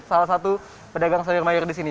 salah satu pedagang seluruh mayor di sini